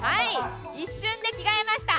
一瞬で着替えました！